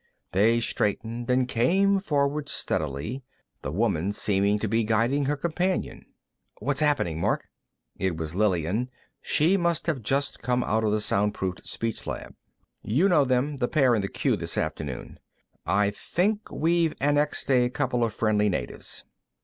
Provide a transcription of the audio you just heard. They straightened and came forward steadily, the woman seeming to be guiding her companion. "What's happening, Mark?" It was Lillian; she must have just come out of the soundproof speech lab. "You know them; the pair in the queue, this afternoon. I think we've annexed a couple of friendly natives."